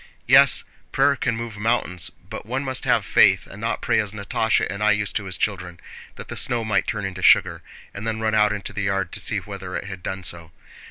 "Yes, prayer can move mountains, but one must have faith and not pray as Natásha and I used to as children, that the snow might turn into sugar—and then run out into the yard to see whether it had done so.